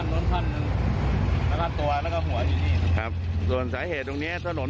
รถสำมารอรัยระยะแสงไปหน้ารถจะเห็น